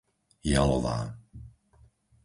Jalová